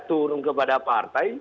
turun kepada partai